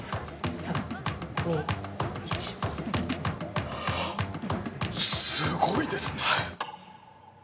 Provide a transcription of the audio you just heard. すごいですね。